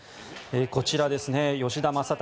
こちら、吉田正尚